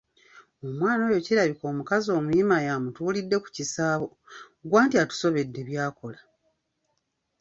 "Omwana oyo kirabika omukazi omuyima ye amutuulidde ku kisaabo, ggwe anti atusobedde by’akola."